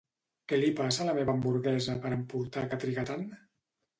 Què li passa la meva hamburguesa per emportar que triga tant?